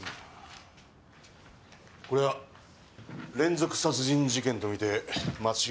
こりゃあ連続殺人事件とみて間違いない。